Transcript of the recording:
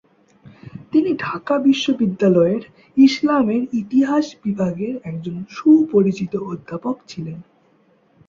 তিনি ঢাকা বিশ্ববিদ্যালয়ের ইসলামের ইতিহাস বিভাগের একজন সুপরিচিত অধ্যাপক ছিলেন।